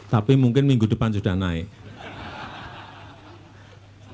tapi mungkin minggu depan sudah naik